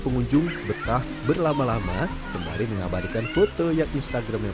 pengunjung betah berlama lama sembari mengabadikan foto yang instagramable